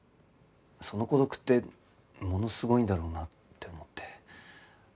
その孤独ってものすごいんだろうなって思って。